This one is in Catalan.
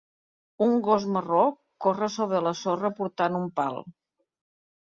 Un gos marró corre sobre la sorra portant un pal.